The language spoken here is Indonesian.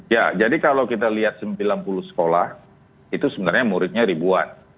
ya jadi kalau kita lihat sembilan puluh sekolah itu sebenarnya muridnya ribuan